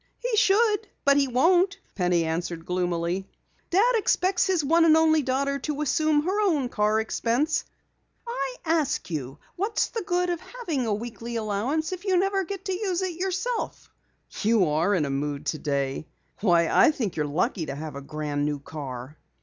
"He should but he won't," Penny answered gloomily. "Dad expects his one and only daughter to assume her own car expense. I ask you, what's the good of having a weekly allowance when you never get to use it yourself?" "You are in a mood today. Why, I think you're lucky to have a grand new car."